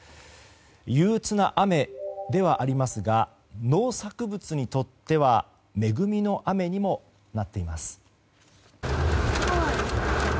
憂鬱な雨ではありますが農作物にとっては恵みの雨にもなっています。